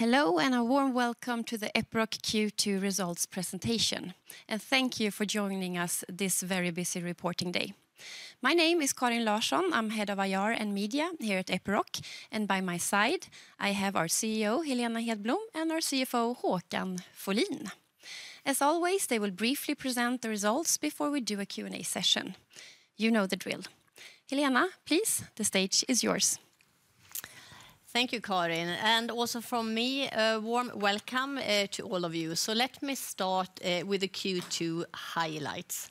Hello and a warm welcome to the Epiroc Q2 results presentation, and thank you for joining us this very busy reporting day. My name is Karin Larsson, I'm Head of IR and Media here at Epiroc, and by my side I have our CEO, Helena Hedblom, and our CFO, Håkan Folin. As always, they will briefly present the results before we do a Q&A session. You know the drill. Helena, please, the stage is yours. Thank you, Karin, and also from me, a warm welcome to all of you. So let me start with the Q2 highlights.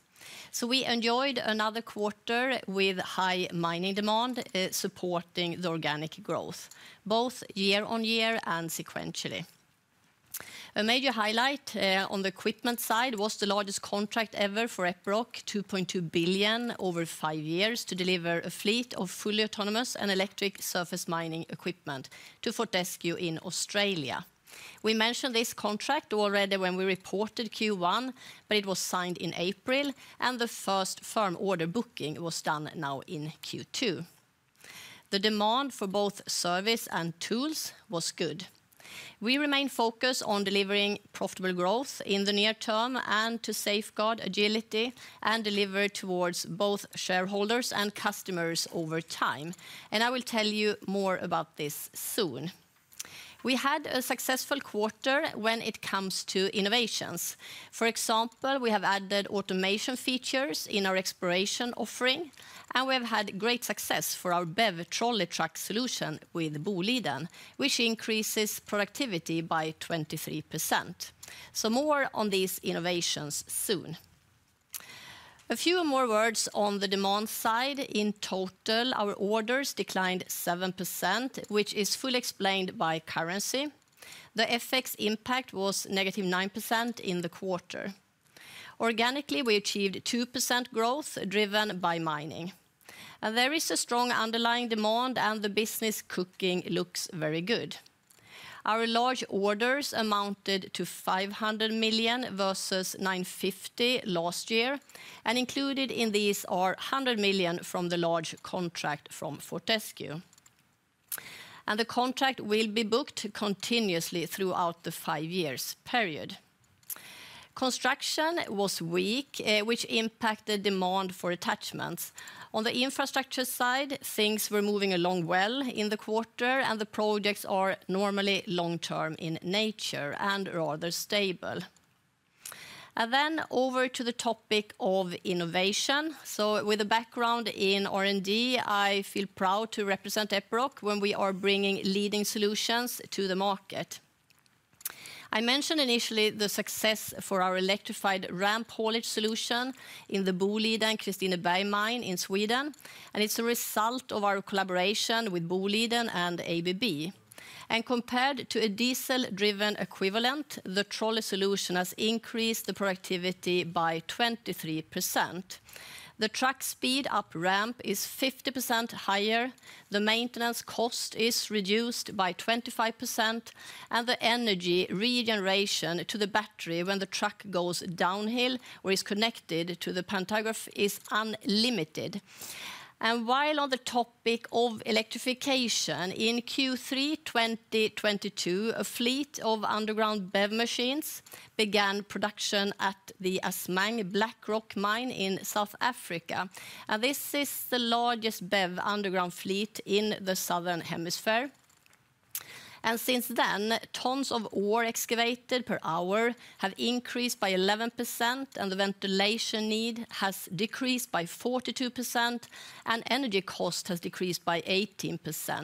So we enjoyed another quarter with high mining demand supporting the organic growth, both year on year and sequentially. A major highlight on the equipment side was the largest contract ever for Epiroc, 2.2 billion over five years, to deliver a fleet of fully autonomous and electric surface mining equipment to Fortescue in Australia. We mentioned this contract already when we reported Q1, but it was signed in April, and the first firm order booking was done now in Q2. The demand for both service and tools was good. We remain focused on delivering profitable growth in the near term and to safeguard agility and delivery towards both shareholders and customers over time, and I will tell you more about this soon. We had a successful quarter when it comes to innovations. For example, we have added automation features in our exploration offering, and we have had great success for our BEV trolley truck solution with Boliden, which increases productivity by 23%. So more on these innovations soon. A few more words on the demand side. In total, our orders declined 7%, which is fully explained by currency. The FX impact was negative 9% in the quarter. Organically, we achieved 2% growth driven by mining. And there is a strong underlying demand, and the business outlook looks very good. Our large orders amounted to 500 million versus 950 million last year, and included in these are 100 million from the large contract from Fortescue. And the contract will be booked continuously throughout the five-year period. Construction was weak, which impacted demand for attachments. On the infrastructure side, things were moving along well in the quarter, and the projects are normally long-term in nature and rather stable, and then over to the topic of innovation, so with a background in R&D, I feel proud to represent Epiroc when we are bringing leading solutions to the market. I mentioned initially the success for our electrified ramp haulage solution in the Boliden Kristineberg mine in Sweden, and it's a result of our collaboration with Boliden and ABB, and compared to a diesel-driven equivalent, the trolley solution has increased the productivity by 23%. The truck speed up ramp is 50% higher, the maintenance cost is reduced by 25%, and the energy regeneration to the battery when the truck goes downhill or is connected to the pantograph is unlimited. And while on the topic of electrification, in Q3 2022, a fleet of underground BEV machines began production at the Assmang Black Rock mine in South Africa, and this is the largest BEV underground fleet in the southern hemisphere. And since then, tons of ore excavated per hour have increased by 11%, and the ventilation need has decreased by 42%, and energy cost has decreased by 18%.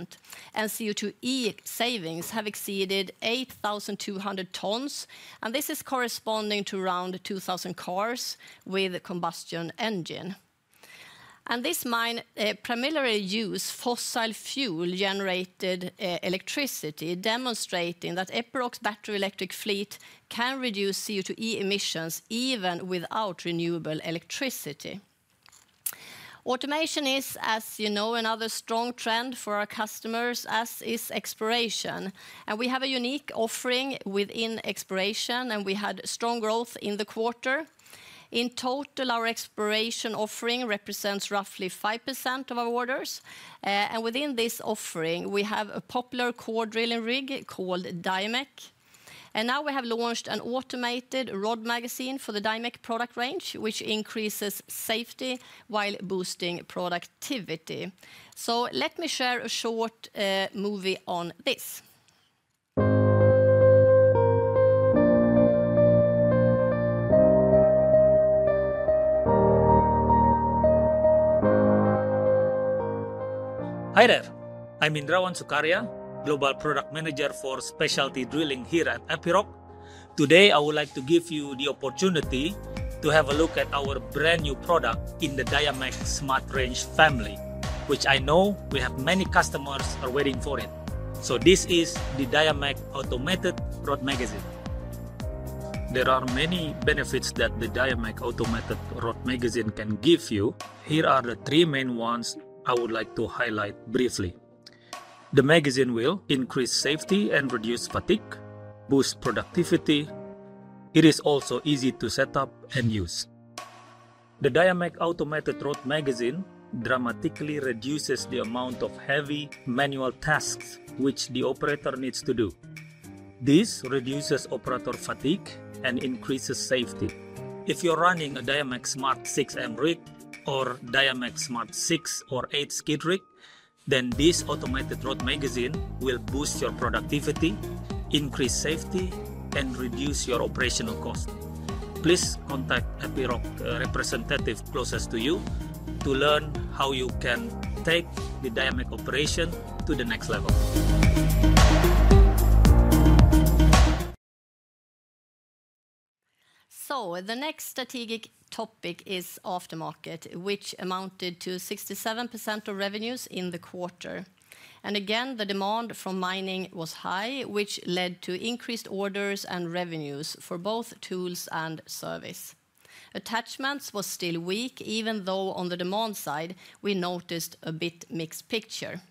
And CO2e savings have exceeded 8,200 tons, and this is corresponding to around 2,000 cars with a combustion engine. And this mine primarily uses fossil fuel-generated electricity, demonstrating that Epiroc's battery electric fleet can reduce CO2e emissions even without renewable electricity. Automation is, as you know, another strong trend for our customers, as is exploration. And we have a unique offering within exploration, and we had strong growth in the quarter. In total, our exploration offering represents roughly 5% of our orders. Within this offering, we have a popular core drilling rig called Diamec. Now we have launched an automated rod magazine for the Diamec product range, which increases safety while boosting productivity. Let me share a short movie on this. Hi there, I'm Indrawan Sukarya, Global Product Manager for Specialty Drilling here at Epiroc. Today, I would like to give you the opportunity to have a look at our brand new product in the Diamec Smart Range family, which I know we have many customers are waiting for it. So this is the Diamec Automated Rod Magazine. There are many benefits that the Diamec Automated Rod Magazine can give you. Here are the three main ones I would like to highlight briefly. The magazine will increase safety and reduce fatigue, boost productivity. It is also easy to set up and use. The Diamec Automated Rod Magazine dramatically reduces the amount of heavy manual tasks which the operator needs to do. This reduces operator fatigue and increases safety. If you're running a Diamec Smart 6M rig or Diamec Smart 6 or 8 skid rig, then this automated rod magazine will boost your productivity, increase safety, and reduce your operational cost. Please contact Epiroc representatives closest to you to learn how you can take the Diamec operation to the next level. So the next strategic topic is aftermarket, which amounted to 67% of revenues in the quarter. And again, the demand from mining was high, which led to increased orders and revenues for both tools and service. Attachments were still weak, even though on the demand side, we noticed a bit mixed picture.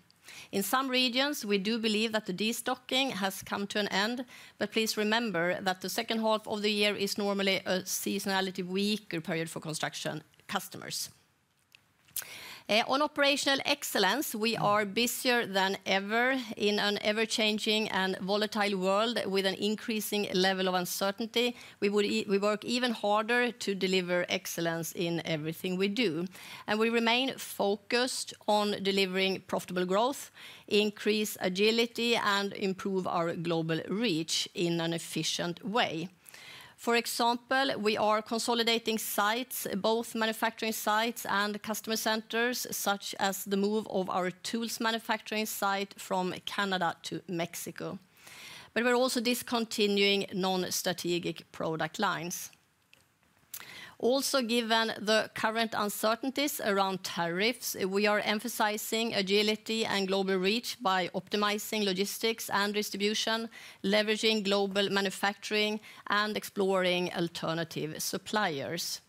In some regions, we do believe that the destocking has come to an end, but please remember that the second half of the year is normally a seasonally weaker period for construction customers. On operational excellence, we are busier than ever in an ever-changing and volatile world with an increasing level of uncertainty. We work even harder to deliver excellence in everything we do, and we remain focused on delivering profitable growth, increase agility, and improve our global reach in an efficient way. For example, we are consolidating sites, both manufacturing sites and customer centers, such as the move of our tools manufacturing site from Canada to Mexico, but we're also discontinuing non-strategic product lines. Also, given the current uncertainties around tariffs, we are emphasizing agility and global reach by optimizing logistics and distribution, leveraging global manufacturing, and exploring alternative suppliers,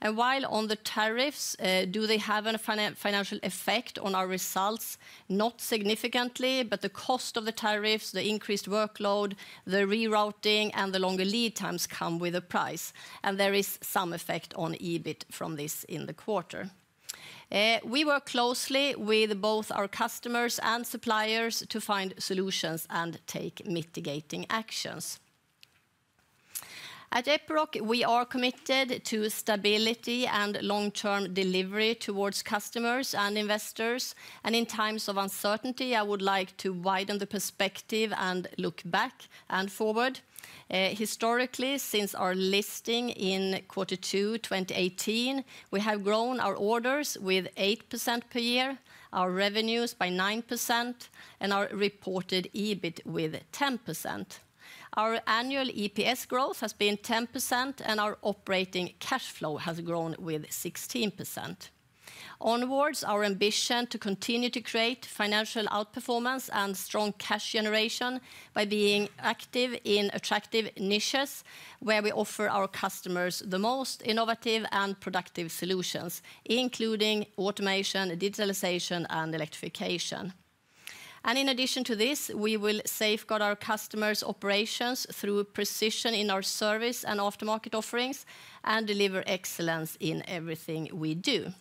and while on the tariffs, do they have a financial effect on our results? Not significantly, but the cost of the tariffs, the increased workload, the rerouting, and the longer lead times come with a price, and there is some effect on EBIT from this in the quarter. We work closely with both our customers and suppliers to find solutions and take mitigating actions. At Epiroc, we are committed to stability and long-term delivery towards customers and investors, and in times of uncertainty, I would like to widen the perspective and look back and forward. Historically, since our listing in quarter two 2018, we have grown our orders with 8% per year, our revenues by 9%, and our reported EBIT with 10%. Our annual EPS growth has been 10%, and our operating cash flow has grown with 16%. Onwards, our ambition is to continue to create financial outperformance and strong cash generation by being active in attractive niches where we offer our customers the most innovative and productive solutions, including automation, digitalization, and electrification. And in addition to this, we will safeguard our customers' operations through precision in our service and aftermarket offerings and deliver excellence in everything we do.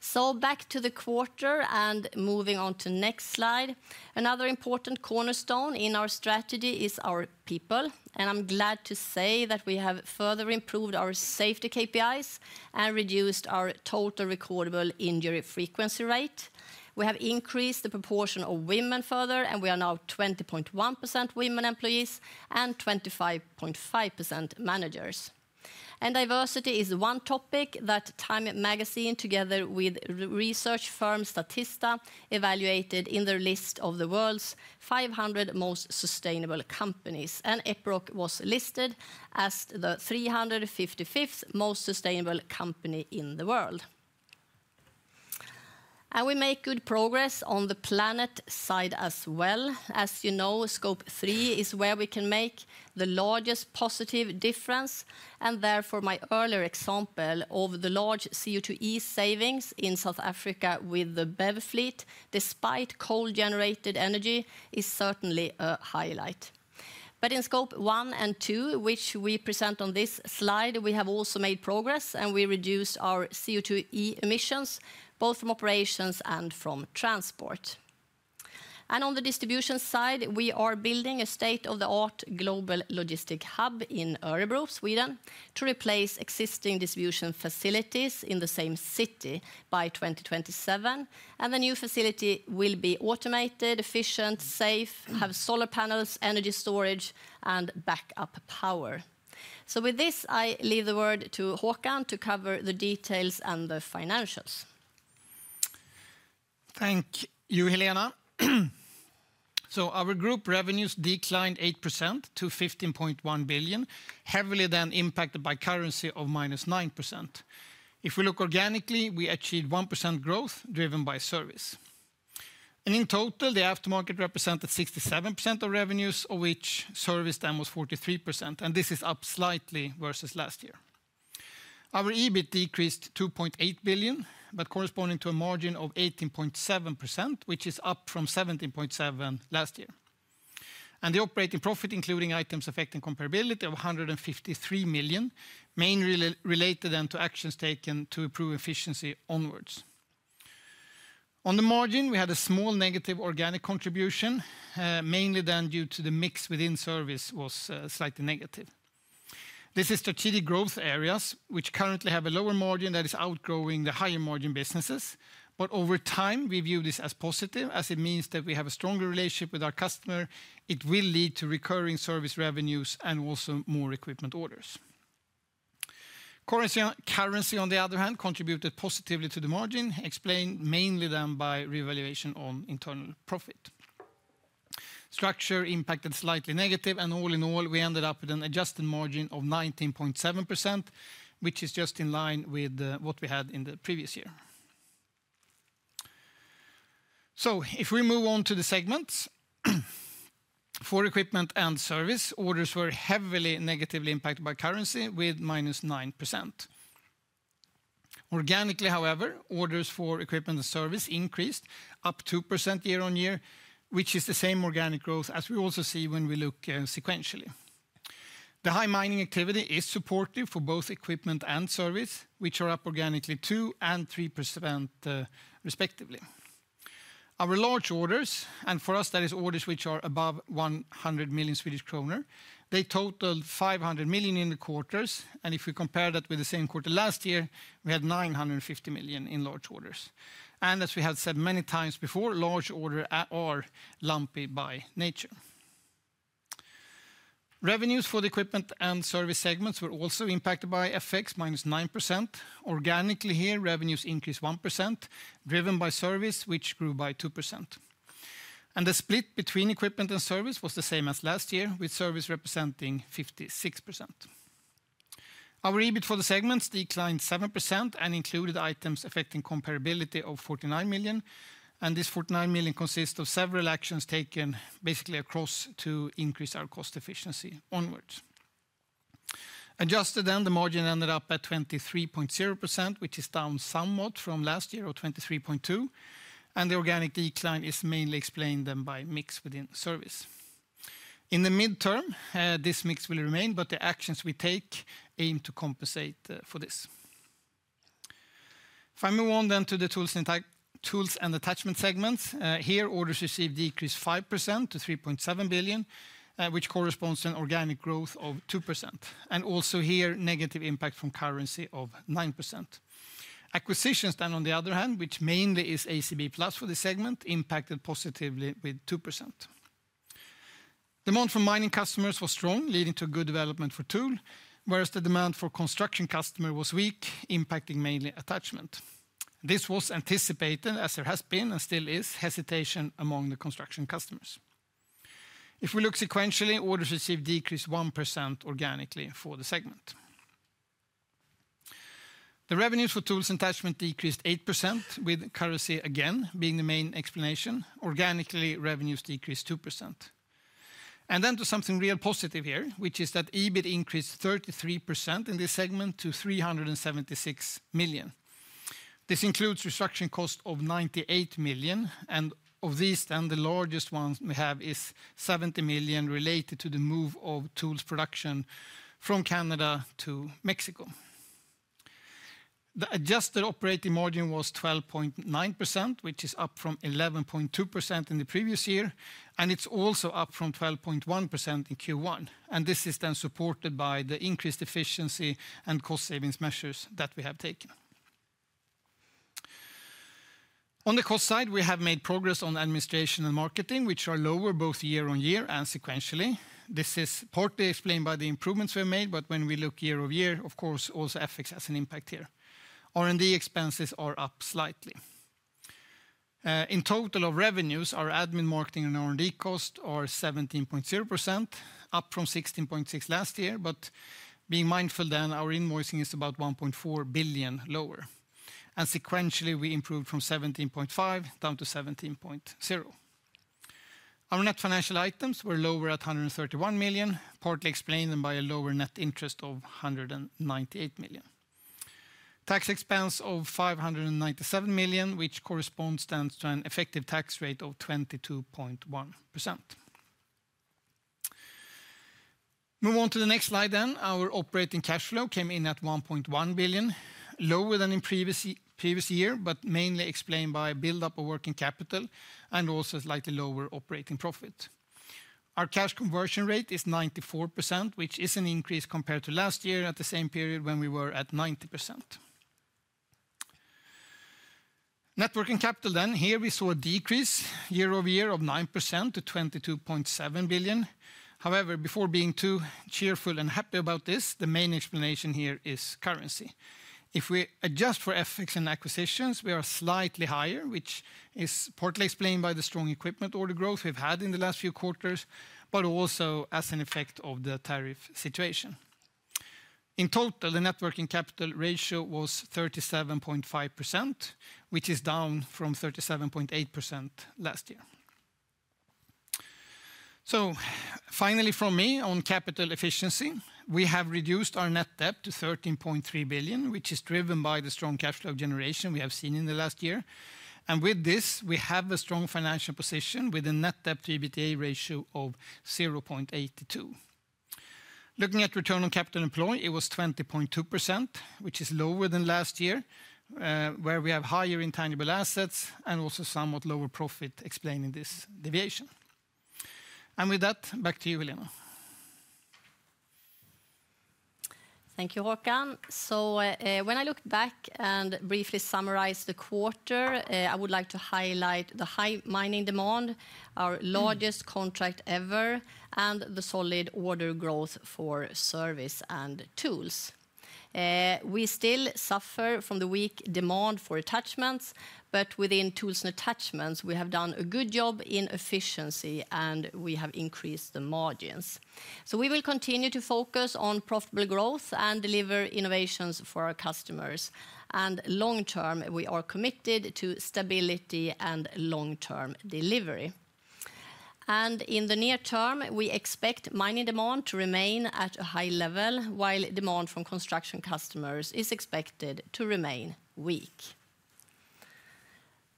So back to the quarter and moving on to the next slide. Another important cornerstone in our strategy is our people, and I'm glad to say that we have further improved our safety KPIs and reduced our total recordable injury frequency rate. We have increased the proportion of women further, and we are now 20.1% women employees and 25.5% managers, and diversity is one topic that Time Magazine, together with research firm Statista, evaluated in their list of the world's 500 most sustainable companies, and Epiroc was listed as the 355th most sustainable company in the world, and we make good progress on the planet side as well. As you know, scope three is where we can make the largest positive difference, and therefore my earlier example of the large CO2e savings in South Africa with the BEV fleet, despite coal-generated energy, is certainly a highlight. But in scope one and two, which we present on this slide, we have also made progress, and we reduced our CO2e emissions, both from operations and from transport. And on the distribution side, we are building a state-of-the-art global logistic hub in Örebro, Sweden, to replace existing distribution facilities in the same city by 2027, and the new facility will be automated, efficient, safe, have solar panels, energy storage, and backup power. So with this, I leave the word to Håkan to cover the details and the financials. Thank you, Helena. So our group revenues declined 8% to 15.1 billion, heavily then impacted by currency of minus 9%. If we look organically, we achieved 1% growth driven by service. And in total, the aftermarket represented 67% of revenues, of which service then was 43%, and this is up slightly versus last year. Our EBIT decreased 2.8 billion, but corresponding to a margin of 18.7%, which is up from 17.7% last year. And the operating profit, including items affecting comparability, of 153 million, mainly related then to actions taken to improve efficiency onwards. On the margin, we had a small negative organic contribution, mainly then due to the mix within service was slightly negative. This is strategic growth areas, which currently have a lower margin that is outgrowing the higher margin businesses, but over time, we view this as positive, as it means that we have a stronger relationship with our customer. It will lead to recurring service revenues and also more equipment orders. Currency, on the other hand, contributed positively to the margin, explained mainly then by revaluation on internal profit. Structure impacted slightly negative, and all in all, we ended up with an adjusted margin of 19.7%, which is just in line with what we had in the previous year. So if we move on to the segments. For equipment and service, orders were heavily negatively impacted by currency with minus 9%. Organically, however, orders for equipment and service increased up 2% year on year, which is the same organic growth as we also see when we look sequentially. The high mining activity is supportive for both equipment and service, which are up organically 2% and 3%, respectively. Our large orders, and for us, that is orders which are above 100 million Swedish kronor, they totaled 500 million in the quarters, and if we compare that with the same quarter last year, we had 950 million in large orders. As we have said many times before, large orders are lumpy by nature. Revenues for the equipment and service segments were also impacted by FX, minus 9%. Organically here, revenues increased 1%, driven by service, which grew by 2%. The split between equipment and service was the same as last year, with service representing 56%. Our EBIT for the segments declined 7% and included items affecting comparability of 49 million, and this 49 million consists of several actions taken basically across to increase our cost efficiency onwards. Adjusted then, the margin ended up at 23.0%, which is down somewhat from last year of 23.2%, and the organic decline is mainly explained then by mix within service. In the midterm, this mix will remain, but the actions we take aim to compensate for this. If I move on then to the tools and attachment segments, here orders received decreased 5% to 3.7 billion, which corresponds to an organic growth of 2%, and also here negative impact from currency of 9%. Acquisitions then, on the other hand, which mainly is ACB Plus for the segment, impacted positively with 2%. Demand from mining customers was strong, leading to good development for tools, whereas the demand for construction customers was weak, impacting mainly attachment. This was anticipated, as there has been and still is, hesitation among the construction customers. If we look sequentially, orders received decreased 1% organically for the segment. The revenues for tools and attachments decreased 8%, with currency again being the main explanation. Organically, revenues decreased 2%. And then to something real positive here, which is that EBIT increased 33% in this segment to 376 million. This includes restructuring cost of 98 million, and of these then, the largest one we have is 70 million related to the move of tools production from Canada to Mexico. The adjusted operating margin was 12.9%, which is up from 11.2% in the previous year, and it's also up from 12.1% in Q1, and this is then supported by the increased efficiency and cost savings measures that we have taken. On the cost side, we have made progress on administration and marketing, which are lower both year on year and sequentially. This is partly explained by the improvements we have made, but when we look year over year, of course, also FX has an impact here. R&D expenses are up slightly. In total of revenues, our admin, marketing, and R&D costs are 17.0%, up from 16.6% last year, but being mindful then, our invoicing is about 1.4 billion lower. And sequentially, we improved from 17.5% down to 17.0%. Our net financial items were lower at 131 million, partly explained by a lower net interest of 198 million. Tax expense of 597 million, which corresponds then to an effective tax rate of 22.1%. Move on to the next slide then. Our operating cash flow came in at 1.1 billion, lower than in previous year, but mainly explained by a build-up of working capital and also a slightly lower operating profit. Our cash conversion rate is 94%, which is an increase compared to last year at the same period when we were at 90%. Net working capital then, here we saw a decrease year over year of 9% to 22.7 billion. However, before being too cheerful and happy about this, the main explanation here is currency. If we adjust for FX and acquisitions, we are slightly higher, which is partly explained by the strong equipment order growth we've had in the last few quarters, but also as an effect of the tariff situation. In total, the net working capital ratio was 37.5%, which is down from 37.8% last year. So finally from me on capital efficiency, we have reduced our net debt to 13.3 billion, which is driven by the strong cash flow generation we have seen in the last year. And with this, we have a strong financial position with a net debt to EBITDA ratio of 0.82. Looking at return on capital employed, it was 20.2%, which is lower than last year, where we have higher intangible assets and also somewhat lower profit explaining this deviation. And with that, back to you, Helena. Thank you, Håkan. So when I looked back and briefly summarized the quarter, I would like to highlight the high mining demand, our largest contract ever, and the solid order growth for service and tools. We still suffer from the weak demand for attachments, but within tools and attachments, we have done a good job in efficiency and we have increased the margins. So we will continue to focus on profitable growth and deliver innovations for our customers. And long term, we are committed to stability and long term delivery. And in the near term, we expect mining demand to remain at a high level while demand from construction customers is expected to remain weak.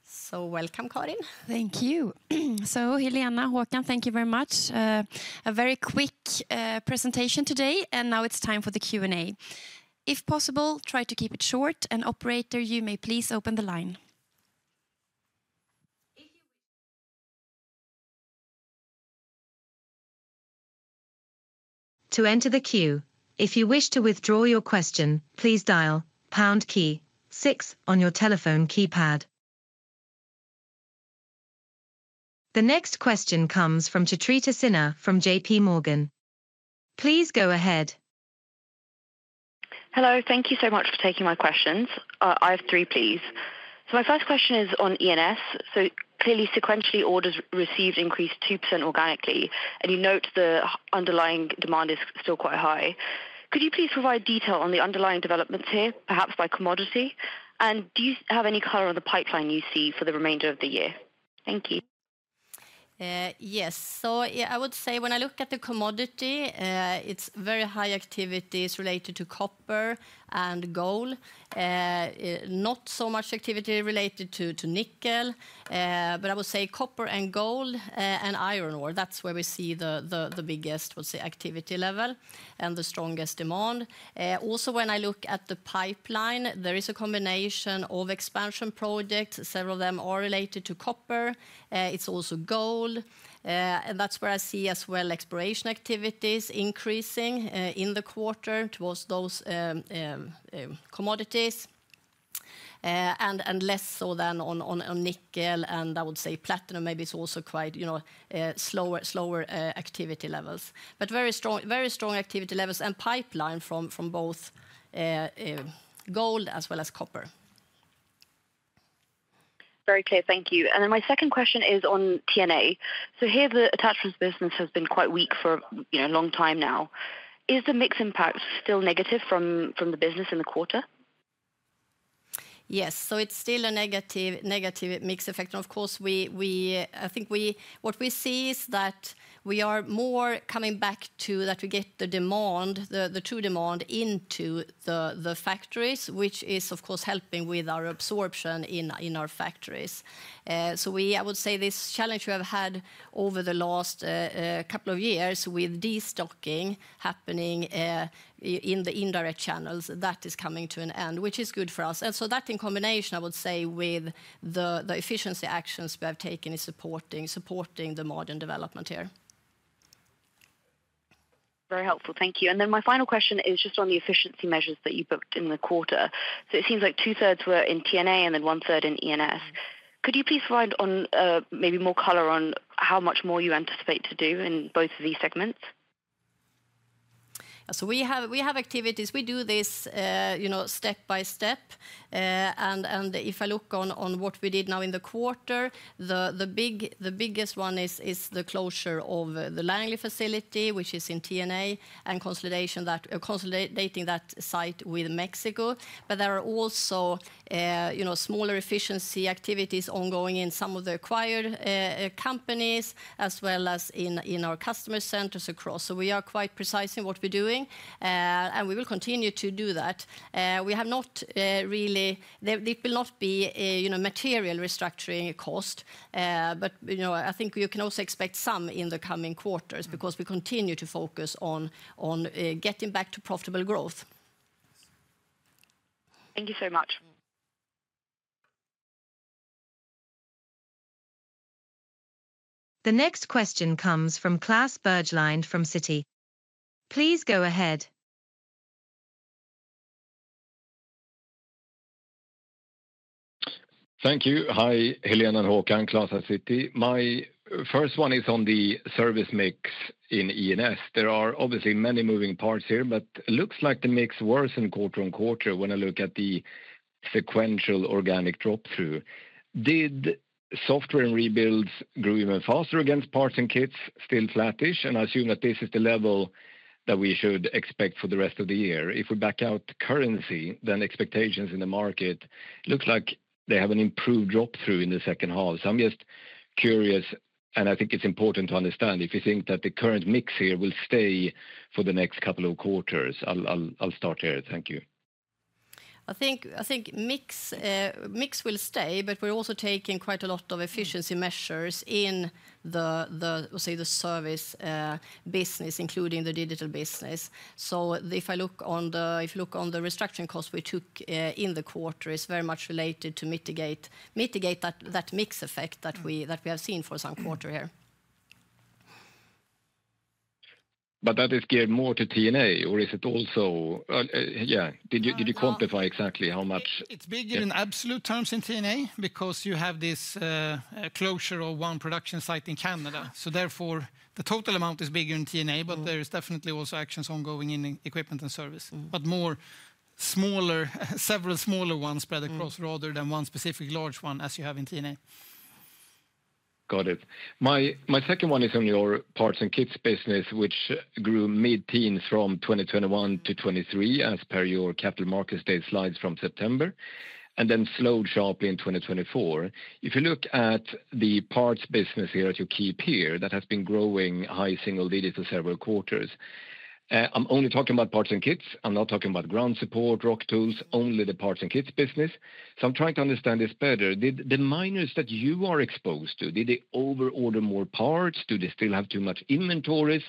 So welcome, Karin. Thank you. So Helena, Håkan, thank you very much. A very quick presentation today, and now it's time for the Q&A. If possible, try to keep it short, and operator, you may please open the line. To enter the queue, if you wish to withdraw your question, please dial pound key six on your telephone keypad. The next question comes from Chitrita Sinha from JPMorgan. Please go ahead. Hello, thank you so much for taking my questions. I have three, please. So my first question is on E and S. So clearly, sequentially, orders received increased 2% organically, and you note the underlying demand is still quite high. Could you please provide detail on the underlying developments here, perhaps by commodity? And do you have any color on the pipeline you see for the remainder of the year? Thank you. Yes. So I would say when I look at the commodity, it's very high activities related to copper and gold. Not so much activity related to nickel, but I would say copper and gold and iron ore. That's where we see the biggest, let's say, activity level and the strongest demand. Also, when I look at the pipeline, there is a combination of expansion projects. Several of them are related to copper. It's also gold. And that's where I see as well exploration activities increasing in the quarter towards those commodities. And less so than on nickel, and I would say platinum maybe is also quite slower activity levels, but very strong activity levels and pipeline from both gold as well as copper. Very clear, thank you. And then my second question is on T&A. So here the attachments business has been quite weak for a long time now. Is the mix impact still negative from the business in the quarter? Yes, so it's still a negative mix effect. And of course, I think what we see is that we are more coming back to that we get the demand, the true demand into the factories, which is of course helping with our absorption in our factories. So I would say this challenge we have had over the last couple of years with destocking happening in the indirect channels that is coming to an end, which is good for us. And so that in combination, I would say with the efficiency actions we have taken in supporting the margin development here. Very helpful, thank you, and then my final question is just on the efficiency measures that you booked in the quarter, so it seems like two thirds were in T&A and then one third in E and S. Could you please provide on maybe more color on how much more you anticipate to do in both of these segments? So we have activities. We do this step by step and if I look on what we did now in the quarter, the biggest one is the closure of the Langley facility, which is in T&A and consolidating that site with Mexico. But there are also smaller efficiency activities ongoing in some of the acquired companies as well as in our customer centers across. So we are quite precise in what we're doing, and we will continue to do that. We have not really; it will not be material restructuring cost. But I think you can also expect some in the coming quarters because we continue to focus on getting back to profitable growth. Thank you so much. The next question comes from Klas Bergelind from Citi. Please go ahead. Thank you. Hi, Helena and Håkan, Klas at Citi. My first one is on the service mix in E and S. There are obviously many moving parts here, but it looks like the mix worsened quarter on quarter when I look at the sequential organic drop-through. Did software and rebuilds grow even faster against parts and kits? Still flattish, and I assume that this is the level that we should expect for the rest of the year. If we back out currency, then expectations in the market look like they have an improved drop-through in the second half. So I'm just curious, and I think it's important to understand if you think that the current mix here will stay for the next couple of quarters. I'll start here. Thank you. I think mix will stay, but we're also taking quite a lot of efficiency measures in the service business, including the digital business. So if I look on the, if you look on the restructuring cost we took in the quarter, it's very much related to mitigate that mix effect that we have seen for some quarter here. But that is geared more to T&A, or is it also, yeah, did you quantify exactly how much? It's bigger in absolute terms in T&A because you have this closure of one production site in Canada. So therefore, the total amount is bigger in T&A, but there is definitely also actions ongoing in equipment and service, but more smaller, several smaller ones spread across rather than one specific large one as you have in T&A. Got it. My second one is on your parts and kits business, which grew mid-term from 2021 to 2023 as per your capital markets data slides from September, and then slowed sharply in 2024. If you look at the parts business here at your key peer that has been growing high single digit for several quarters, I'm only talking about parts and kits. I'm not talking about ground support, rock tools, only the parts and kits business. So I'm trying to understand this better. The miners that you are exposed to, did they overorder more parts? Do they still have too much inventories?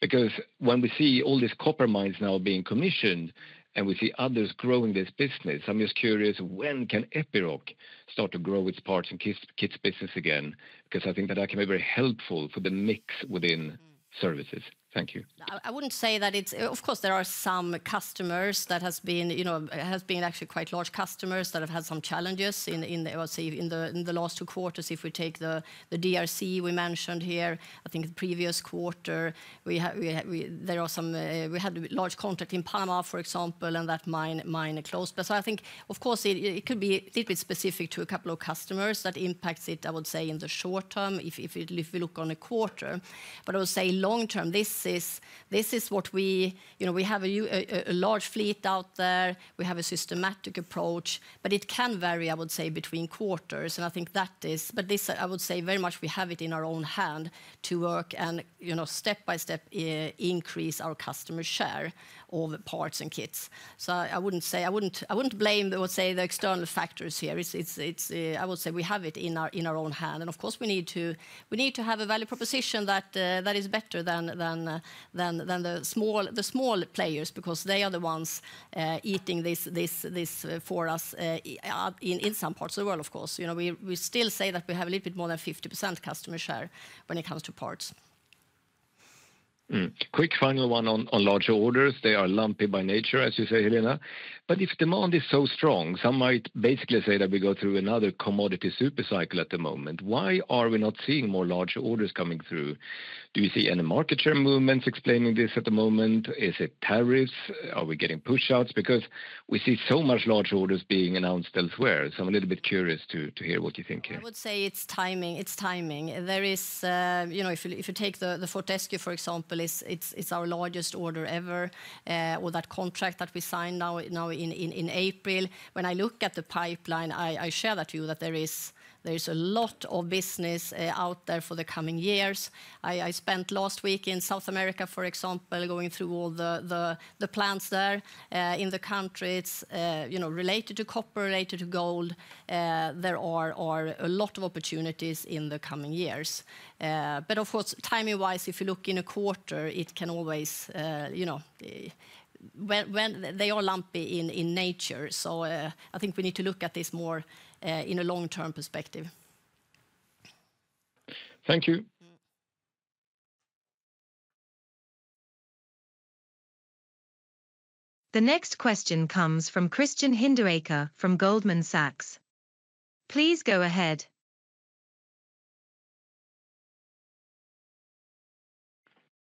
Because when we see all these copper mines now being commissioned and we see others growing this business, I'm just curious when can Epiroc start to grow its parts and kits business again? Because I think that that can be very helpful for the mix within services. Thank you. I wouldn't say that it's, of course, there are some customers that have been actually quite large customers that have had some challenges in the last two quarters. If we take the DRC we mentioned here, I think the previous quarter. There are some, we had a large contract in Panama, for example, and that mine closed. So I think, of course, it could be a little bit specific to a couple of customers that impacts it, I would say, in the short term if we look on a quarter. But I would say long term, this is what we, we have a large fleet out there. We have a systematic approach, but it can vary, I would say, between quarters. And I think that is, but this, I would say very much we have it in our own hand to work and step by step increase our customer share of parts and kits. So I wouldn't say, I wouldn't blame the external factors here. I would say we have it in our own hand. And of course, we need to have a value proposition that is better than the small players because they are the ones eating this for us. In some parts of the world, of course. We still say that we have a little bit more than 50% customer share when it comes to parts. Quick final one on larger orders. They are lumpy by nature, as you say, Helena. But if demand is so strong, some might basically say that we go through another commodity supercycle at the moment. Why are we not seeing more large orders coming through? Do you see any market share movements explaining this at the moment? Is it tariffs? Are we getting push-outs? Because we see so much large orders being announced elsewhere. So I'm a little bit curious to hear what you think here. I would say it's timing. There is. If you take the Fortescue, for example, it's our largest order ever, or that contract that we signed now in April. When I look at the pipeline, I share that to you that there is a lot of business out there for the coming years. I spent last week in South America, for example, going through all the plants there in the country. It's related to copper, related to gold. There are a lot of opportunities in the coming years. But of course, timing-wise, if you look in a quarter, it can always. They are lumpy in nature. So I think we need to look at this more in a long-term perspective. Thank you. The next question comes from Christian Hinderaker from Goldman Sachs. Please go ahead.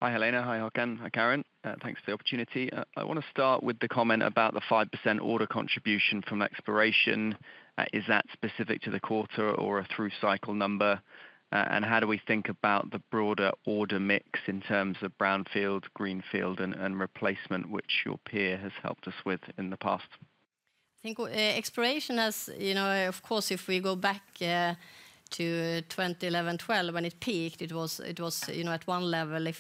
Hi, Helena. Hi, Håkan. Hi, Karin. Thanks for the opportunity. I want to start with the comment about the 5% order contribution from exploration. Is that specific to the quarter or a through cycle number? And how do we think about the broader order mix in terms of brownfield, greenfield, and replacement, which your peer has helped us with in the past? I think exploration has, of course, if we go back to 2011-12, when it peaked, it was at one level.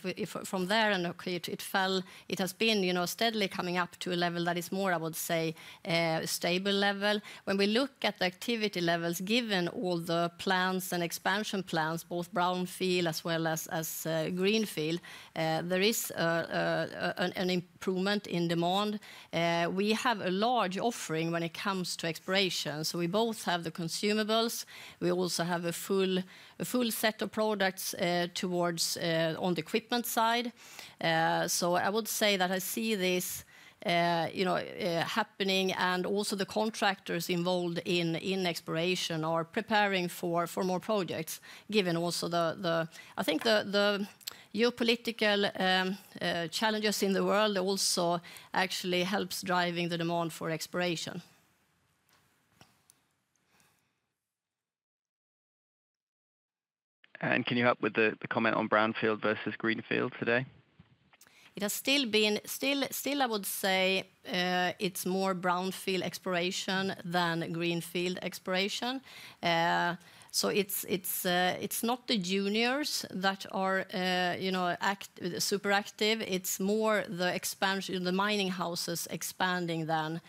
From there, it fell. It has been steadily coming up to a level that is more, I would say, stable level. When we look at the activity levels, given all the plans and expansion plans, both brownfield as well as greenfield, there is an improvement in demand. We have a large offering when it comes to exploration. So we both have the consumables. We also have a full set of products towards on the equipment side. So I would say that I see this happening, and also the contractors involved in exploration are preparing for more projects, given also the, I think, the geopolitical challenges in the world also actually helps driving the demand for exploration. Can you help with the comment on brownfield versus greenfield today? It has still been, I would say, more brownfield exploration than greenfield exploration, so it's not the juniors that are super active. It's more the mining houses expanding than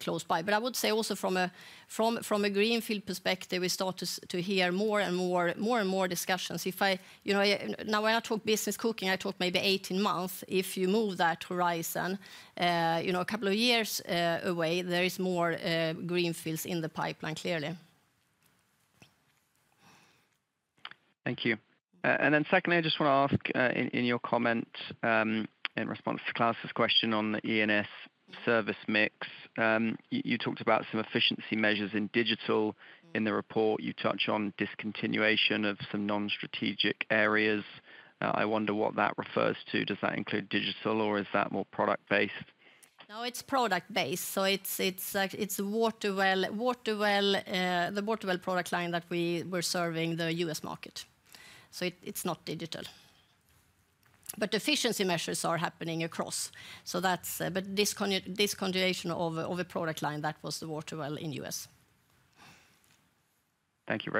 close by, but I would say also from a greenfield perspective, we start to hear more and more discussions. Now, when I talk business cooking, I talk maybe 18 months. If you move that horizon a couple of years away, there is more greenfields in the pipeline clearly. Thank you. And then secondly, I just want to ask in your comments. In response to Klas's question on the E and S service mix, you talked about some efficiency measures in digital in the report. You touch on discontinuation of some non-strategic areas. I wonder what that refers to. Does that include digital, or is that more product-based? No, it's product-based. So it's water well. The water well product line that we were serving the U.S. market. So it's not digital. But efficiency measures are happening across. This continuation of a product line, that was the water well in U.S. Thank you.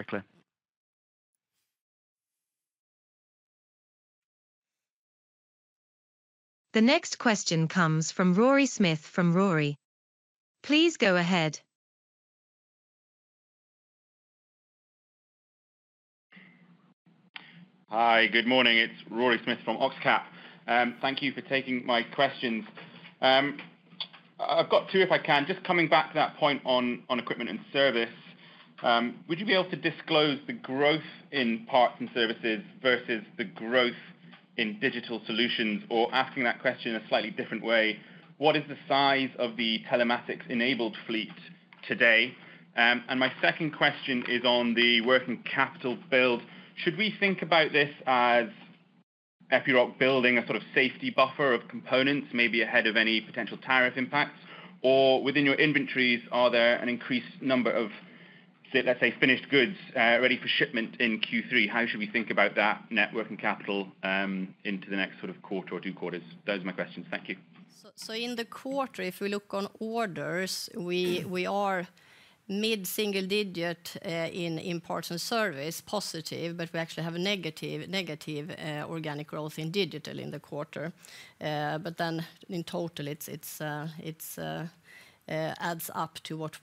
The next question comes from Rory Smith from Rory. Please go ahead. Hi, good morning. It's Rory Smith from OxCap. Thank you for taking my questions. I've got two, if I can. Just coming back to that point on equipment and service. Would you be able to disclose the growth in parts and services versus the growth in digital solutions? Or asking that question a slightly different way. What is the size of the telematics-enabled fleet today? And my second question is on the working capital field. Should we think about this as Epiroc building a sort of safety buffer of components, maybe ahead of any potential tariff impacts? Or within your inventories, are there an increased number of. Let's say, finished goods ready for shipment in Q3? How should we think about that working capital into the next sort of quarter or two quarters? Those are my questions. Thank you. So in the quarter, if we look on orders, we are mid-single digit in parts and service, positive, but we actually have a negative organic growth in digital in the quarter. But then in total, it adds up to what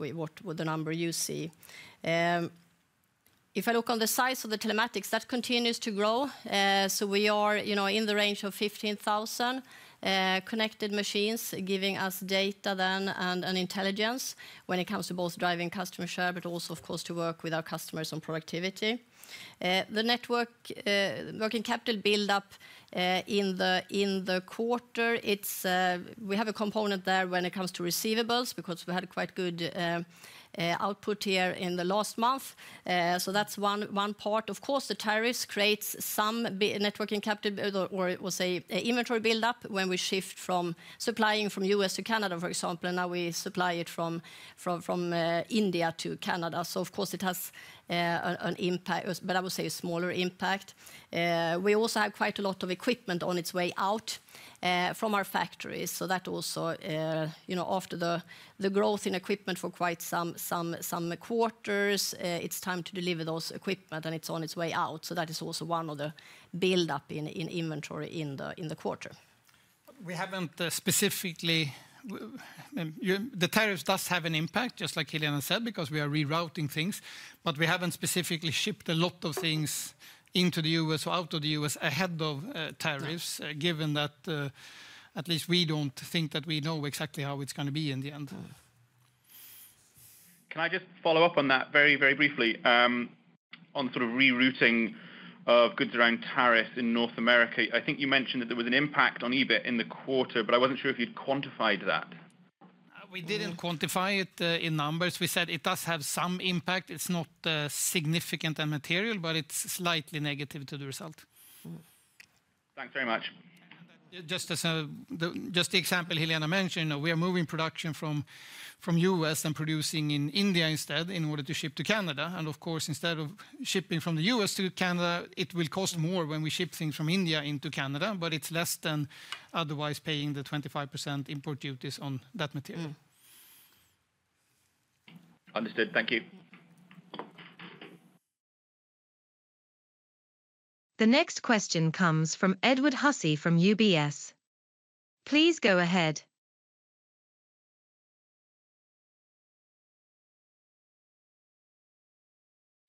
the number you see. If I look on the size of the telematics, that continues to grow. So we are in the range of 15,000 connected machines, giving us data then and an intelligence when it comes to both driving customer share, but also, of course, to work with our customers on productivity. The network. Working capital build-up in the quarter, we have a component there when it comes to receivables because we had quite good output here in the last month. So that's one part. Of course, the tariffs creates some working capital, or I would say, inventory build-up when we shift from supplying from U.S. to Canada, for example, and now we supply it from India to Canada. So of course, it has an impact, but I would say a smaller impact. We also have quite a lot of equipment on its way out from our factories. So that also, after the growth in equipment for quite some quarters, it's time to deliver those equipment and it's on its way out. So that is also one of the build-up in inventory in the quarter. We haven't specifically. The tariffs does have an impact, just like Helena said, because we are rerouting things, but we haven't specifically shipped a lot of things into the U.S. or out of the U.S. ahead of tariffs, given that. At least we don't think that we know exactly how it's going to be in the end. Can I just follow up on that very, very briefly? On sort of rerouting of goods around tariffs in North America, I think you mentioned that there was an impact on EBIT in the quarter, but I wasn't sure if you'd quantified that? We didn't quantify it in numbers. We said it does have some impact. It's not significant and material, but it's slightly negative to the result. Thanks very much. Just the example Helena mentioned, we are moving production from U.S. and producing in India instead in order to ship to Canada. And of course, instead of shipping from the U.S. to Canada, it will cost more when we ship things from India into Canada, but it's less than otherwise paying the 25% import duties on that material. Understood. Thank you. The next question comes from Edward Hussey from UBS. Please go ahead.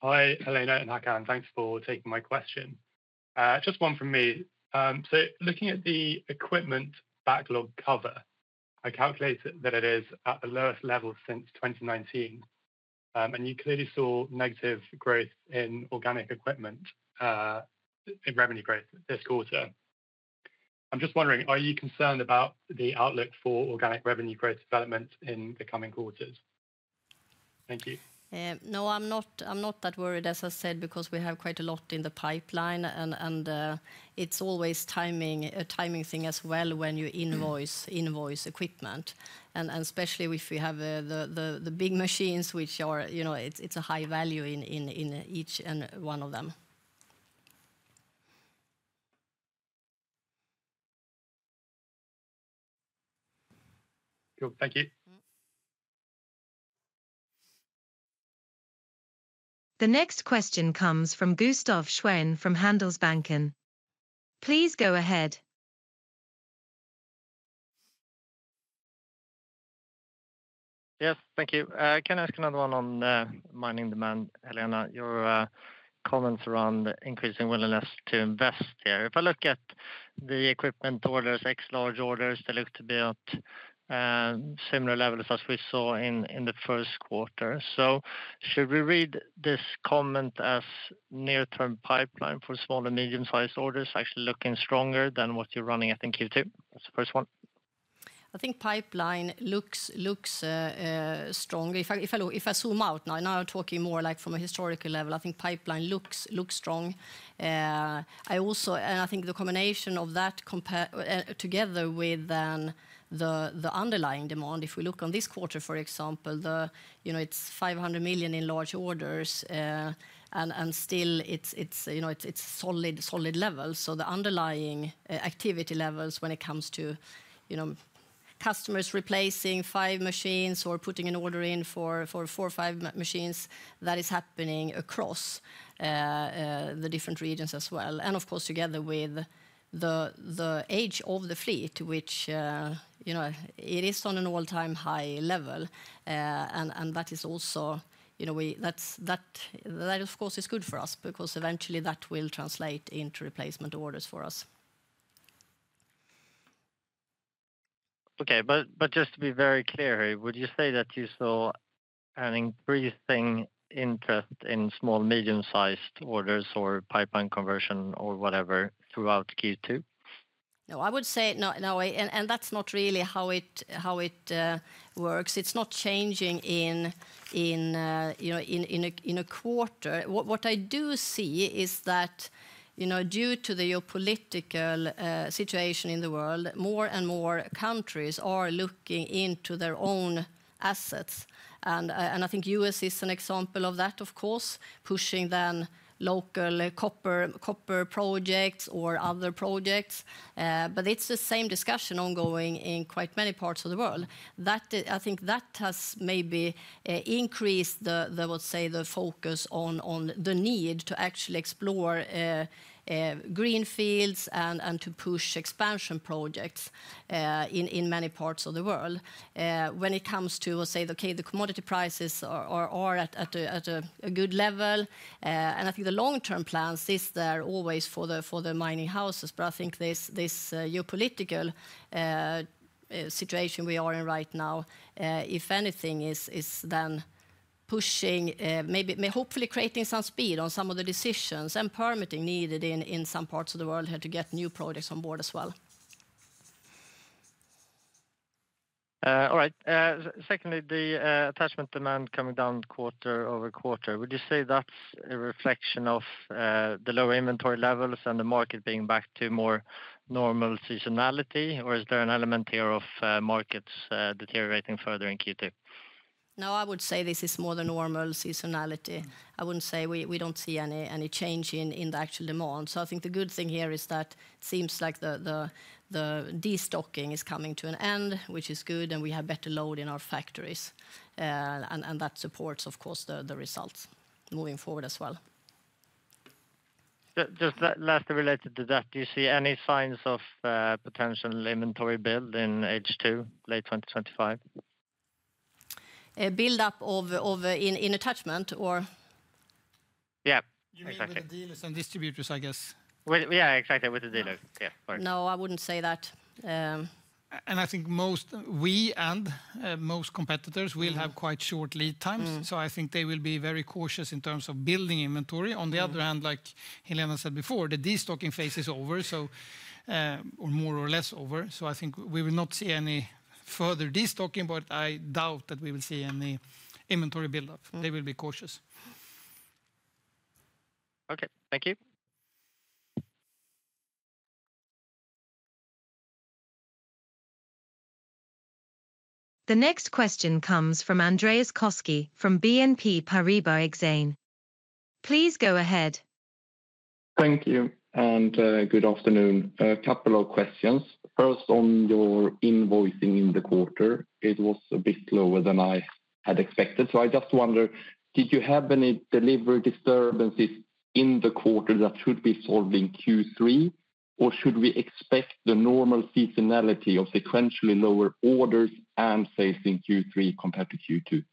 Hi, Helena and Håkan. Thanks for taking my question. Just one from me. So looking at the equipment backlog cover, I calculate that it is at the lowest level since 2019, and you clearly saw negative growth in organic equipment revenue growth this quarter. I'm just wondering, are you concerned about the outlook for organic revenue growth development in the coming quarters? Thank you. No, I'm not that worried, as I said, because we have quite a lot in the pipeline. And it's always a timing thing as well when you invoice equipment. And especially if we have the big machines, which it's a high value in each and one of them. Cool. Thank you. The next question comes from Gustaf Schwerin from Handelsbanken. Please go ahead. Yes, thank you. I can ask another one on mining demand, Helena. Your comments around increasing willingness to invest here. If I look at the equipment orders, X-large orders, they look to be at similar levels as we saw in the first quarter. So should we read this comment as near-term pipeline for small and medium-sized orders actually looking stronger than what you're running at in Q2? It's the first one. I think pipeline looks stronger. If I zoom out now, now I'm talking more like from a historical level, I think pipeline looks strong, and I think the combination of that together with the underlying demand, if we look on this quarter, for example, it's 500 million in large orders, and still it's solid levels. So the underlying activity levels when it comes to customers replacing five machines or putting an order in for four or five machines, that is happening across the different regions as well, and of course, together with the age of the fleet, which it is on an all-time high level, and that is also that, of course, is good for us because eventually that will translate into replacement orders for us. Okay, but just to be very clear, would you say that you saw an increasing interest in small and medium-sized orders or pipeline conversion or whatever throughout Q2? No, I would say no, and that's not really how it works. It's not changing in a quarter. What I do see is that due to the geopolitical situation in the world, more and more countries are looking into their own assets, and I think U.S. is an example of that, of course, pushing their local copper projects or other projects. But it's the same discussion ongoing in quite many parts of the world. I think that has maybe increased the, I would say, the focus on the need to actually explore greenfields and to push expansion projects in many parts of the world. When it comes to, I would say, okay, the commodity prices are at a good level, and I think the long-term plans are always for the mining houses, but I think this geopolitical. Situation we are in right now, if anything, is then pushing, maybe hopefully creating some speed on some of the decisions and permitting needed in some parts of the world to get new projects on board as well. All right. Secondly, the attachment demand coming down quarter over quarter. Would you say that's a reflection of the lower inventory levels and the market being back to more normal seasonality? Or is there an element here of markets deteriorating further in Q2? No, I would say this is more the normal seasonality. I wouldn't say we don't see any change in the actual demand. So I think the good thing here is that it seems like the destocking is coming to an end, which is good, and we have better load in our factories, and that supports, of course, the results moving forward as well. Just lastly related to that, do you see any signs of potential inventory build in H2, late 2025? Build-up of in attachment, or? Yeah, exactly. You mean with the dealers and distributors, I guess? Yeah, exactly, with the dealers. Yeah. No, I wouldn't say that. I think we and most competitors will have quite short lead times. I think they will be very cautious in terms of building inventory. On the other hand, like Helena said before, the destocking phase is over, or more or less over. I think we will not see any further destocking, but I doubt that we will see any inventory build-up. They will be cautious. Okay, thank you. The next question comes from Andreas Koski from BNP Paribas Exane. Please go ahead. Thank you and good afternoon. A couple of questions. First, on your invoicing in the quarter, it was a bit lower than I had expected. So I just wonder, did you have any delivery disturbances in the quarter that should be solved in Q3? Or should we expect the normal seasonality of sequentially lower orders and phasing Q3 compared to Q2?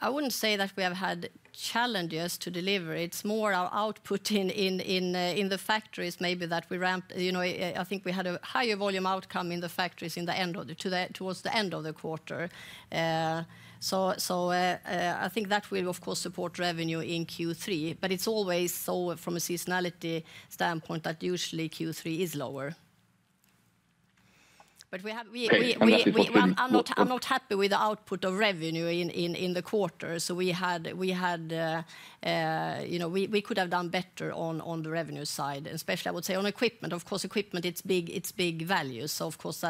I wouldn't say that we have had challenges to deliver. It's more our output in the factories, maybe, that we ramped. I think we had a higher volume outcome in the factories towards the end of the quarter. So. I think that will, of course, support revenue in Q3. But it's always so from a seasonality standpoint that usually Q3 is lower. But. I'm not happy with the output of revenue in the quarter. So we had. We could have done better on the revenue side, especially, I would say, on equipment. Of course, equipment, it's big values. So of course,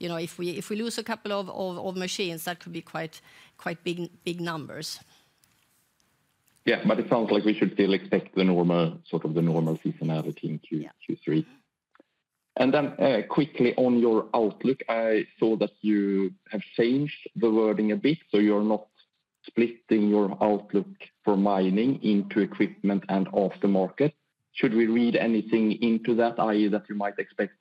if we lose a couple of machines, that could be quite big numbers. Yeah, but it sounds like we should still expect the normal sort of seasonality in Q3. And then quickly on your outlook, I saw that you have changed the wording a bit. So you're not splitting your outlook for mining into equipment and aftermarket. Should we read anything into that, i.e., that you might expect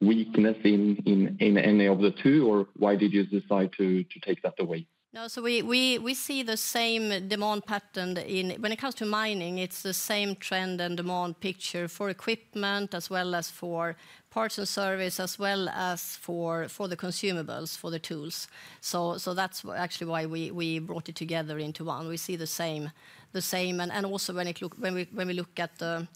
weakness in any of the two, or why did you decide to take that away? No, so we see the same demand pattern. When it comes to mining, it's the same trend and demand picture for equipment as well as for parts and service, as well as for the consumables, for the tools. So that's actually why we brought it together into one. We see the same. And also when we look at the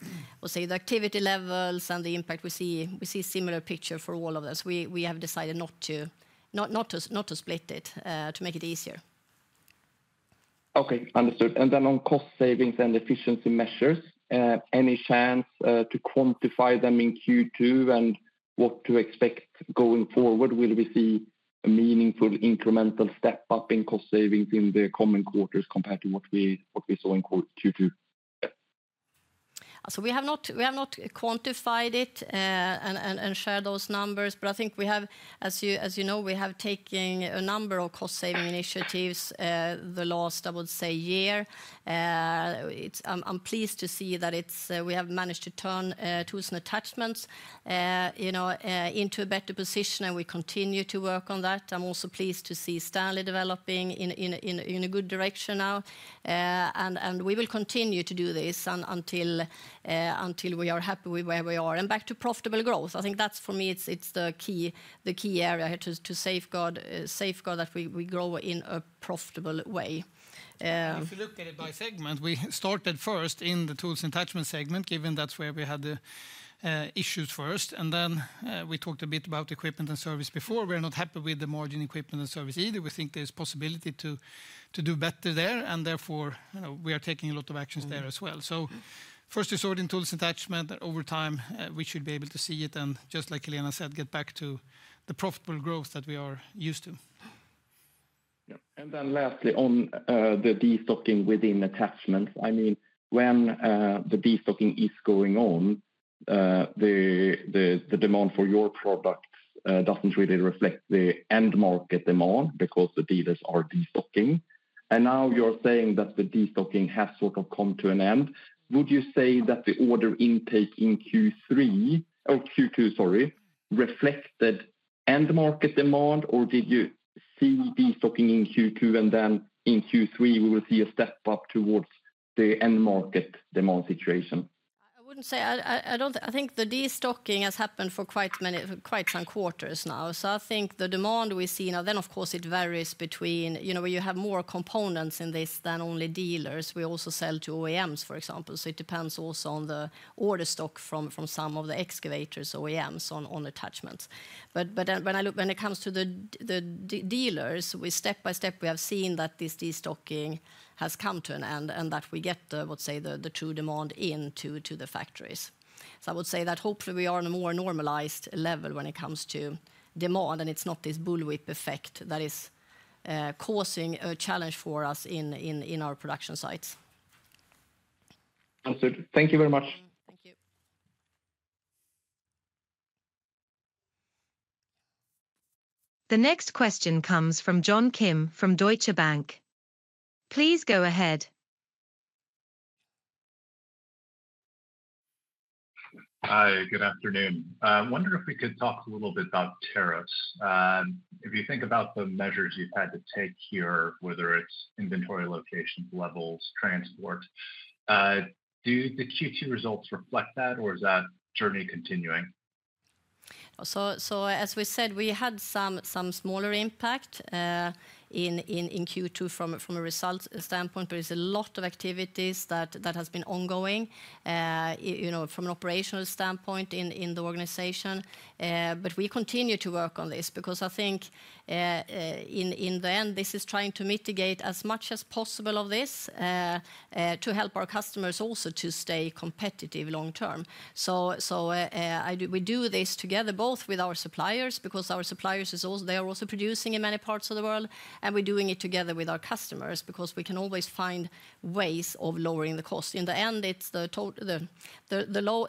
activity levels and the impact, we see a similar picture for all of us. We have decided not to split it, to make it easier. Okay, understood. And then on cost savings and efficiency measures, any chance to quantify them in Q2 and what to expect going forward? Will we see a meaningful incremental step-up in cost savings in the coming quarters compared to what we saw in Q2? So we have not quantified it and shared those numbers. But I think we have, as you know, we have taken a number of cost-saving initiatives the last, I would say, year. I'm pleased to see that we have managed to turn tools and attachments into a better position, and we continue to work on that. I'm also pleased to see Stanley developing in a good direction now. And we will continue to do this until we are happy with where we are and back to profitable growth. I think that's, for me, it's the key area to safeguard that we grow in a profitable way. If you look at it by segment, we started first in the tools and attachments segment, given that's where we had issues first. And then we talked a bit about equipment and service before. We're not happy with the margin equipment and service either. We think there's possibility to do better there. And therefore, we are taking a lot of actions there as well. So first, we saw it in tools and attachments. Over time, we should be able to see it and, just like Helena said, get back to the profitable growth that we are used to. Yeah. And then lastly, on the destocking within attachments, I mean, when the destocking is going on. The demand for your product doesn't really reflect the end market demand because the dealers are destocking. And now you're saying that the destocking has sort of come to an end. Would you say that the order intake in Q2, sorry, reflected end market demand, or did you see destocking in Q2 and then in Q3 we will see a step-up towards the end market demand situation? I wouldn't say. I think the destocking has happened for quite some quarters now. So I think the demand we see now, then, of course, it varies between where you have more components in this than only dealers. We also sell to OEMs, for example. So it depends also on the order stock from some of the excavator OEMs on attachments. But when it comes to the dealers, step by step, we have seen that this destocking has come to an end and that we get the, I would say, the true demand into the factories. So I would say that hopefully we are on a more normalized level when it comes to demand, and it's not this bullwhip effect that is causing a challenge for us in our production sites. Absolutely. Thank you very much. Thank you. The next question comes from John Kim from Deutsche Bank. Please go ahead. Hi, good afternoon. I wonder if we could talk a little bit about tariffs. If you think about the measures you've had to take here, whether it's inventory locations, levels, transport. Do the Q2 results reflect that, or is that journey continuing? So as we said, we had some smaller impact in Q2 from a results standpoint, but it's a lot of activities that have been ongoing from an operational standpoint in the organization. But we continue to work on this because I think in the end, this is trying to mitigate as much as possible of this to help our customers also to stay competitive long term. So we do this together, both with our suppliers, because our suppliers, they are also producing in many parts of the world, and we're doing it together with our customers because we can always find ways of lowering the cost. In the end, it's the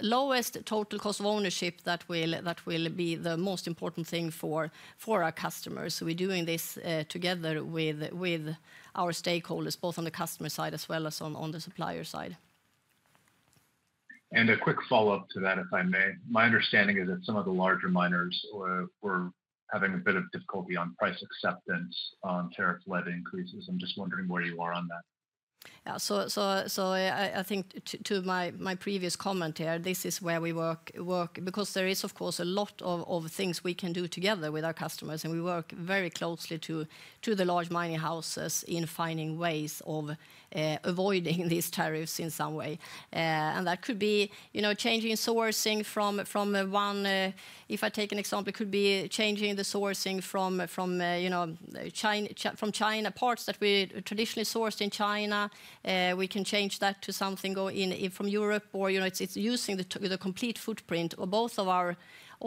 lowest total cost of ownership that will be the most important thing for our customers. So we're doing this together with our stakeholders, both on the customer side as well as on the supplier side. And a quick follow-up to that, if I may. My understanding is that some of the larger miners were having a bit of difficulty on price acceptance on tariff-led increases. I'm just wondering where you are on that. Yeah. So. I think to my previous comment here, this is where we work, because there is, of course, a lot of things we can do together with our customers, and we work very closely to the large mining houses in finding ways of avoiding these tariffs in some way, and that could be changing sourcing from one, if I take an example, it could be changing the sourcing from China, parts that we traditionally sourced in China. We can change that to something from Europe, or it's using the complete footprint of both of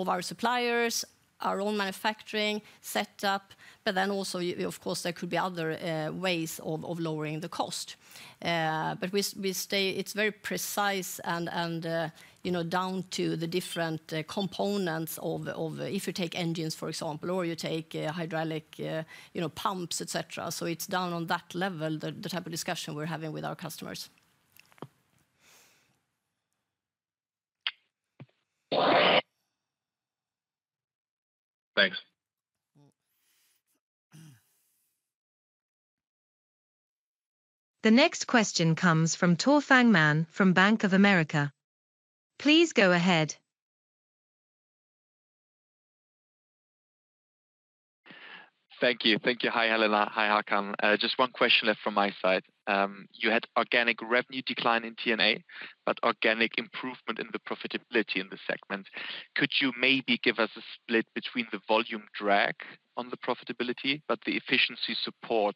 our suppliers, our own manufacturing setup. But then also, of course, there could be other ways of lowering the cost, but it's very precise and down to the different components of, if you take engines, for example, or you take hydraulic pumps, etc. So it's down on that level, the type of discussion we're having with our customers. The next question comes from Tore Fangmann from Bank of America. Please go ahead. Thank you. Thank you. Hi, Helena. Hi, Håkan. Just one question from my side. You had organic revenue decline in TNA, but organic improvement in the profitability in the segment. Could you maybe give us a split between the volume drag on the profitability, but the efficiency support,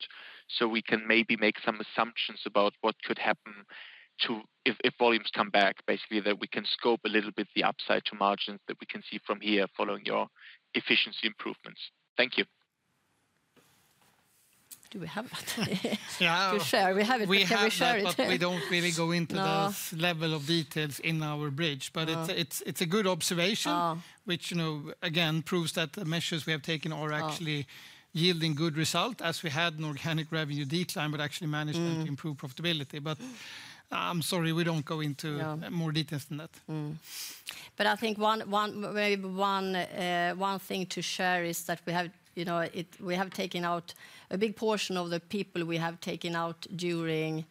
so we can maybe make some assumptions about what could happen if volumes come back, basically, that we can scope a little bit the upside to margins that we can see from here following your efficiency improvements? Thank you. Do we have it? No. We share it. We share it, but we don't really go into the level of details in our bridge. But it's a good observation, which, again, proves that the measures we have taken are actually yielding good results, as we had an organic revenue decline, but actually managed to improve profitability. But I'm sorry, we don't go into more details than that. I think one thing to share is that we have taken out a big portion of the people during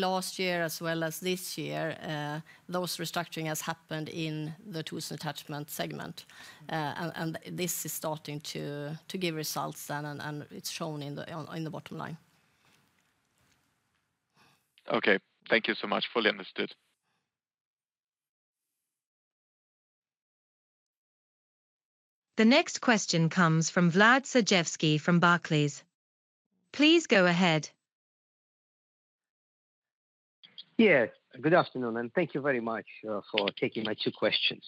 last year as well as this year. Those restructuring has happened in the tools and attachments segment. And this is starting to give results then, and it's shown in the bottom line. Okay. Thank you so much. Fully understood. The next question comes from Vlad Sergievskiy from Barclays. Please go ahead. Yes. Good afternoon, and thank you very much for taking my two questions.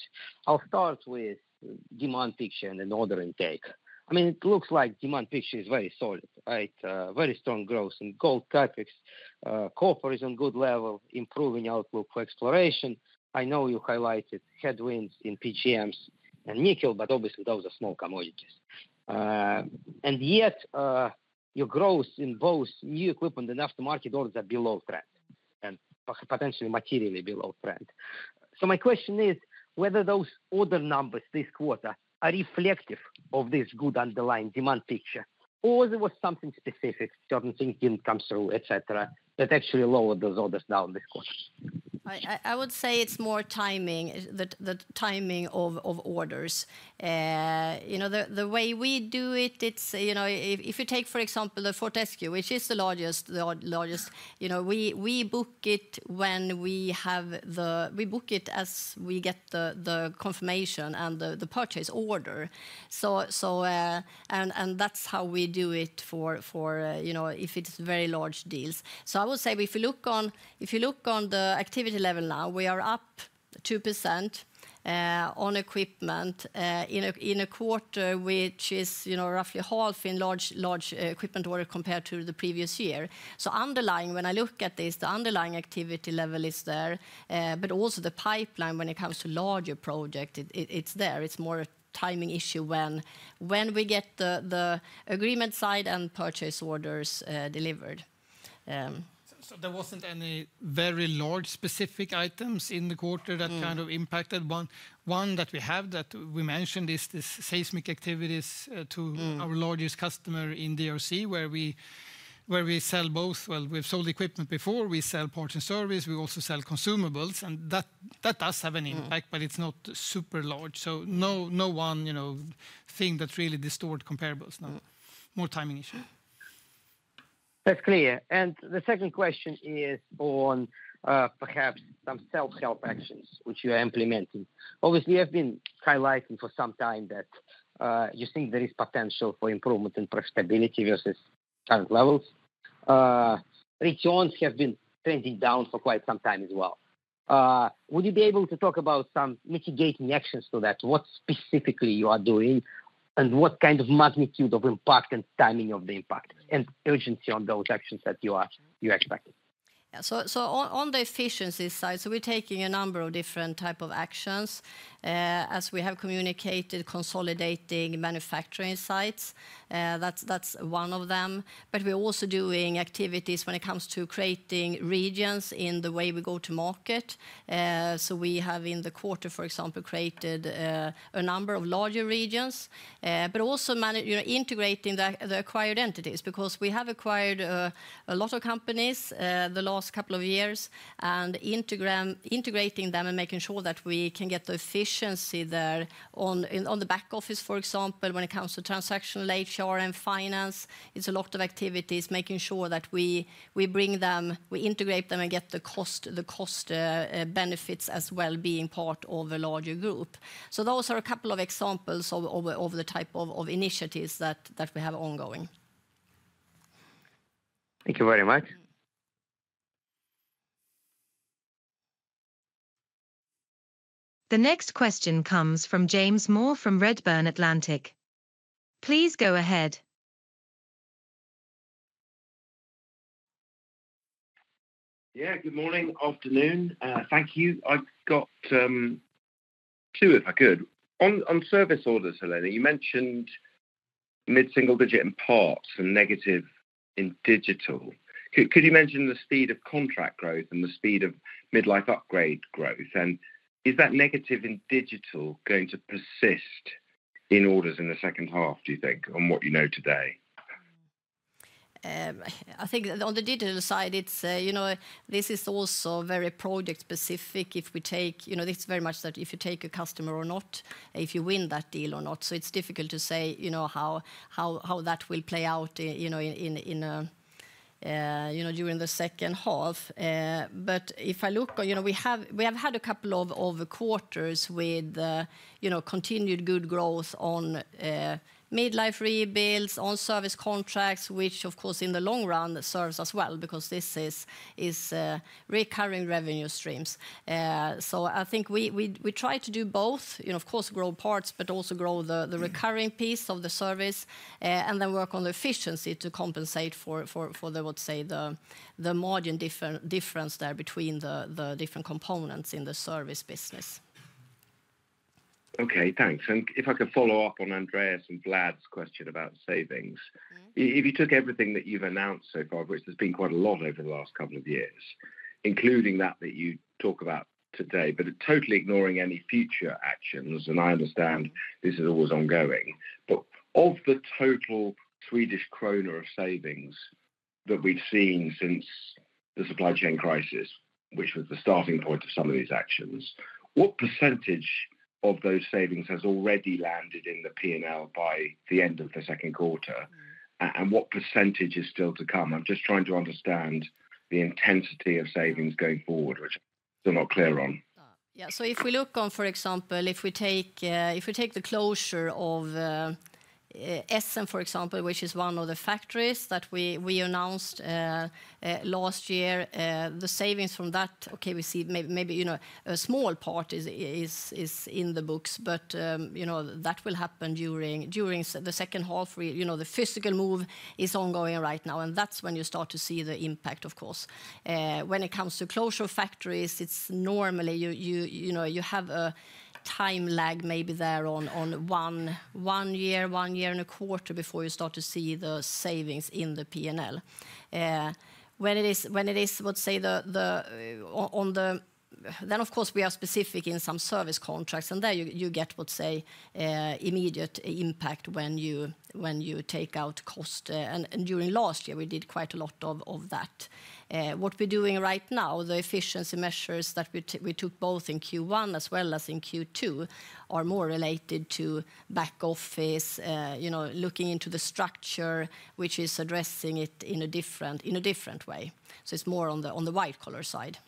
I'll start with the demand picture and the order intake. I mean, it looks like the demand picture is very solid, right? Very strong growth in gold, copper is on good level, improving outlook for exploration. I know you highlighted headwinds in PGMs and nickel, but obviously those are small commodities. And yet. Your growth in both new equipment and aftermarket orders are below trend and potentially materially below trend. So my question is whether those order numbers this quarter are reflective of this good underlying demand picture, or there was something specific, certain things didn't come through, etc., that actually lowered those orders down this quarter? I would say it's more timing, the timing of orders. The way we do it, if you take, for example, the Fortescue, which is the largest. We book it when we have the, we book it as we get the confirmation and the purchase order. And that's how we do it for if it's very large deals, so I would say if you look on the activity level now, we are up 2% on equipment in a quarter, which is roughly half in large equipment order compared to the previous year, so underlying, when I look at this, the underlying activity level is there, but also the pipeline when it comes to larger projects, it's there. It's more a timing issue when we get the agreement side and purchase orders delivered. So there wasn't any very large specific items in the quarter that kind of impacted. One that we have that we mentioned is the seismic activities to our largest customer in DRC, where we sell both. Well, we've sold equipment before. We sell parts and service. We also sell consumables. And that does have an impact, but it's not super large. No one thing that really distorts comparables. No more timing issues. That's clear. And the second question is on. Perhaps some self-help actions, which you are implementing. Obviously, you have been highlighting for some time that you think there is potential for improvement in profitability versus current levels. Returns have been trending down for quite some time as well. Would you be able to talk about some mitigating actions to that? What specifically you are doing and what kind of magnitude of impact and timing of the impact and urgency on those actions that you are expecting? Yeah. So on the efficiency side, so we're taking a number of different types of actions. As we have communicated, consolidating manufacturing sites. That's one of them. But we're also doing activities when it comes to creating regions in the way we go to market. So we have, in the quarter, for example, created a number of larger regions, but also integrating the acquired entities because we have acquired a lot of companies the last couple of years and integrating them and making sure that we can get the efficiency there on the back office, for example, when it comes to transactional HR and finance. It's a lot of activities, making sure that we bring them, we integrate them, and get the cost benefits as well being part of a larger group. So those are a couple of examples of the type of initiatives that we have ongoing. Thank you very much. The next question comes from James Moore from Redburn Atlantic. Please go ahead. Yeah. Good morning. Afternoon. Thank you. I've got two, if I could. On service orders, Helena, you mentioned mid-single digit in parts and negative in digital. Could you mention the speed of contract growth and the speed of mid-life upgrade growth? And is that negative in digital going to persist in orders in the second half, do you think, on what you know today? I think on the digital side, this is also very project-specific. If we take, this is very much that if you take a customer or not, if you win that deal or not. So it's difficult to say how that will play out during the second half. But if I look, we have had a couple of quarters with continued good growth on mid-life rebuilds, on service contracts, which, of course, in the long run, serves us well because this is recurring revenue streams. So I think we try to do both, of course, grow parts, but also grow the recurring piece of the service and then work on the efficiency to compensate for the, I would say, the margin difference there between the different components in the service business. Okay. Thanks. And if I could follow up on Andreas and Vlad's question about savings, if you took everything that you've announced so far, which there's been quite a lot over the last couple of years, including that you talk about today, but totally ignoring any future actions, and I understand this is always ongoing, but of the total Swedish krona of savings that we've seen since the supply chain crisis, which was the starting point of some of these actions, what percentage of those savings has already landed in the P&L by the end of the second quarter? And what percentage is still to come? I'm just trying to understand the intensity of savings going forward, which I'm not clear on. Yeah. So if we look on, for example, if we take the closure of Essen, for example, which is one of the factories that we announced last year, the savings from that, okay, we see maybe a small part is in the books, but that will happen during the second half. The physical move is ongoing right now, and that's when you start to see the impact, of course. When it comes to closure factories, it's normally you have a time lag maybe there on one year, one year and a quarter before you start to see the savings in the P&L. When it is, let's say, then, of course, we are specific in some service contracts, and there you get, let's say, immediate impact when you take out cost, and during last year, we did quite a lot of that. What we're doing right now, the efficiency measures that we took both in Q1 as well as in Q2 are more related to back office, looking into the structure, which is addressing it in a different way. So it's more on the white-collar side.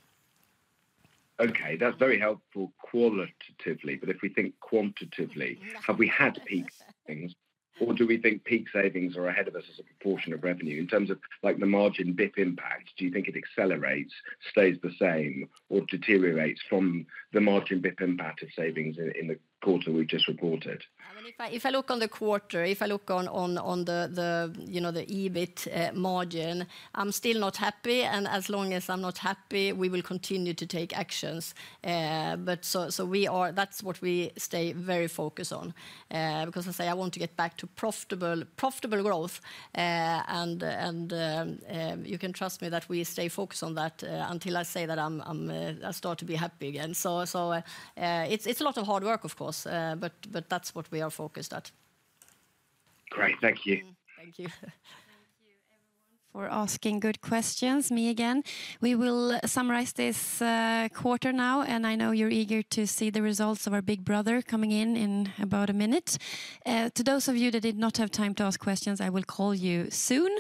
Okay. That's very helpful qualitatively. But if we think quantitatively, have we had peak savings, or do we think peak savings are ahead of a portion of revenue in terms of the margin EBIT impact? Do you think it accelerates, stays the same, or deteriorates from the margin EBIT impact of savings in the quarter we've just reported? I mean, if I look on the quarter, EBIT margin, I'm still not happy. And as long as I'm not happy, we will continue to take actions. But so that's what we stay very focused on. Because I say I want to get back to profitable growth. And you can trust me that we stay focused on that until I say that I start to be happy again. So it's a lot of hard work, of course, but that's what we are focused at. Correct. Thank you. Thank you. Thank you for asking good questions, me again. We will summarize this quarter now, and I know you're eager to see the results of our big brother coming in in about a minute. To those of you that did not have time to ask questions, I will call you soon.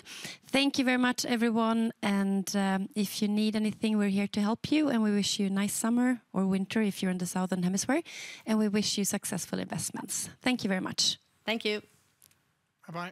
Thank you very much, everyone. And if you need anything, we're here to help you, and we wish you a nice summer or winter if you're in the Southern Hemisphere. And we wish you successful investments. Thank you very much. Thank you. Bye-bye.